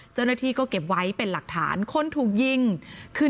เจ้าหน้าที่ก็เก็บไว้เป็นหลักฐานคนถูกยิงคือ